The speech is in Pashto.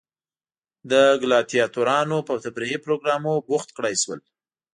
د ګلادیاتورانو په تفریحي پروګرامونو بوخت کړای شول.